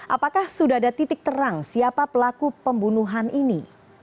apakah sudah ada titik terang siapa pelaku pembunuhan ini